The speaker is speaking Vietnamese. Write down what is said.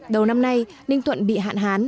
đầu năm nay ninh thuật bị hạn hán